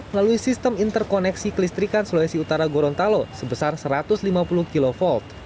melalui sistem interkoneksi kelistrikan sulawesi utara gorontalo sebesar satu ratus lima puluh kv